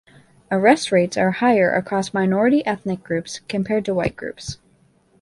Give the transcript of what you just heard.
Arrest rates are higher across minority ethnic groups compared to white groups.